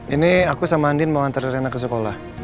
ini aku sama andin mau nganter rena ke sekolah